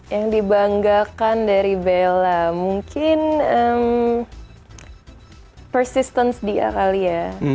yang dibanggakan dari bella mungkin persisten dia kali ya